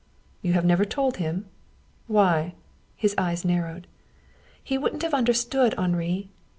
"You have never told him? Why?" His eyes narrowed. "He wouldn't have understood, Henri."